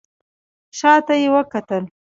شا ته يې وکتل.